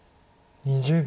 ２０秒。